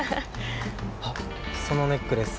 そのネックレス